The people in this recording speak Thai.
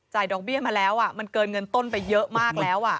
ดอกเบี้ยมาแล้วมันเกินเงินต้นไปเยอะมากแล้ว